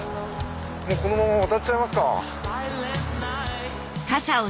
このまま渡っちゃいますか。